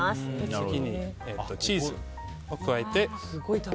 次に、チーズを加えて。